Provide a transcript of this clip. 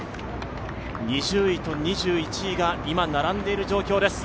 ２０位と２１位が今、並んでいる状況です。